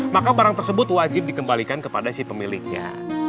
maka barang tersebut wajib dikembalikan kepada si pemiliknya